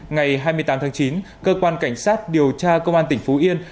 ngày hai mươi tám tháng chín cơ quan cảnh sát điều tra công an tỉnh phú yên